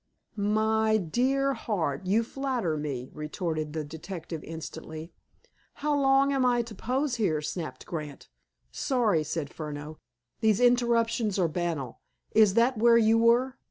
"My dear Hart, you flatter me," retorted the detective instantly. "How long am I to pose here?" snapped Grant. "Sorry," said Furneaux. "These interruptions are banal. Is that where you were?"